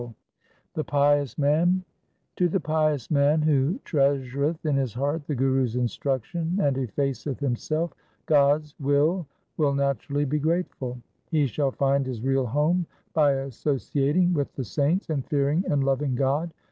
246 THE SIKH RELIGION The pious man :— To the pious man who treasureth in his heart the Guru's instruction and effaceth himself, God's will will naturally be grateful. He shall find his real home by associating with the saints and fearing and loving God.